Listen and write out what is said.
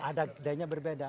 ada nilainya berbeda